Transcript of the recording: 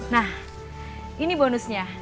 nah ini bonusnya